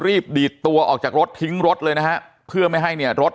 ดีดตัวออกจากรถทิ้งรถเลยนะฮะเพื่อไม่ให้เนี่ยรถ